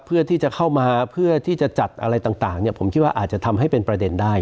เพื่อที่จะเข้ามาเพื่อที่จะจัดอะไรต่างผมคิดว่าอาจจะทำให้เป็นประเด็นได้